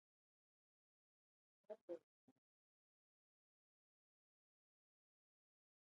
It is also located on a hilltop, instead of within a hollow.